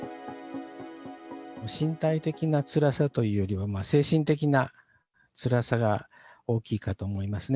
身体的なつらさというよりは、精神的なつらさが大きいかと思いますね。